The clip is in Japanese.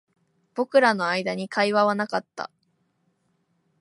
僕らの間に会話はなかった